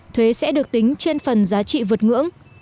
thuế sẽ được tính trên phần giá trị vượt ngưỡng